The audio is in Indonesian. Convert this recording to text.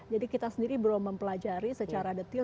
jadi kita sendiri belum mempelajari secara detil